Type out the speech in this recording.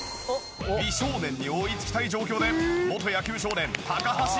美少年に追いつきたい状況で元野球少年橋優斗。